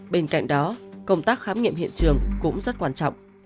bên cạnh đó công tác khám nghiệm hiện trường cũng rất quan trọng